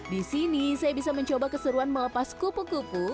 disini saya bisa mencoba keseruan melepas kupu kupu